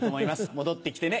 戻って来てね！